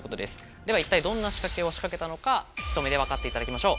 では一体どんな仕掛けを仕掛けたのかひと目でわかっていただきましょう。